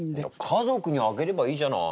家族にあげればいいじゃない！